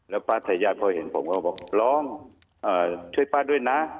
แล้วป้าทายาทพอเห็นผมก็บอกลองช่วยป้าด้วยนะ